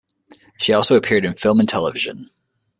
She also appeared in film and television.